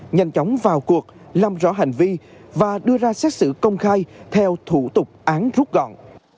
nhanh chóng vào cuộc làm rõ hành vi và đưa ra xét xử công khai theo thủ tục án rút gọn